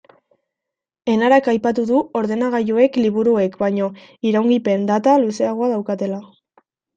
Enarak aipatu du ordenagailuek liburuek baino iraungipen data luzeagoa daukatela.